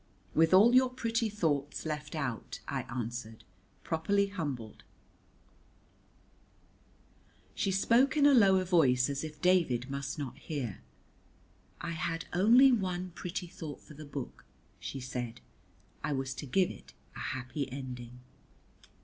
"With all your pretty thoughts left out," I answered, properly humbled. She spoke in a lower voice as if David must not hear. "I had only one pretty thought for the book," she said, "I was to give it a happy ending."